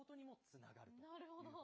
なるほど。